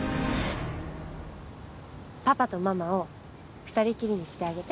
パパとママを２人っきりにしてあげて。